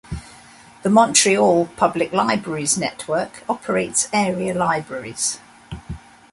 The Montreal Public Libraries Network operates area libraries.